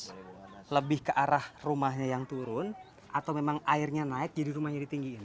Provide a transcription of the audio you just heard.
jadi ini lebih ke arah rumahnya yang turun atau memang airnya naik jadi rumahnya ditinggiin